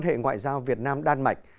quan hệ ngoại giao việt nam đan mạch